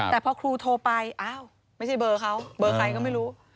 แต่พอครูโทรไปอ้าวไม่ใช่เบอร์เขาเบอร์ใครก็ไม่รู้